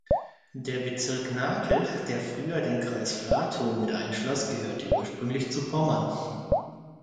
Der Bezirk Nakel, der früher den Kreis Flatow mit einschloss, gehörte ursprünglich zu Pommern.